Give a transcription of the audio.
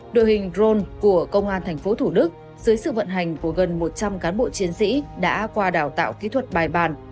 đội hình drone của công an tp thủ đức dưới sự vận hành của gần một trăm linh cán bộ chiến sĩ đã qua đào tạo kỹ thuật bài bàn